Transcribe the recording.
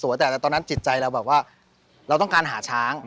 ชื่องนี้ชื่องนี้ชื่องนี้ชื่องนี้ชื่องนี้ชื่องนี้